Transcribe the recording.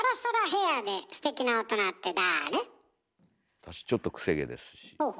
私ちょっと癖毛ですし。